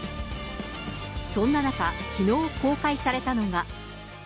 そんな中、きのう公開されたのが。